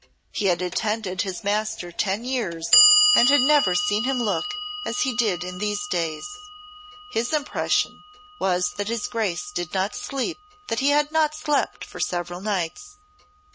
He had attended his master ten years and had never seen him look as he did in these days. His impression was that his Grace did not sleep, that he had not slept for several nights.